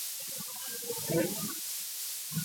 在她六十岁时